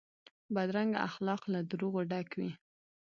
بدرنګه اخلاق له دروغو ډک وي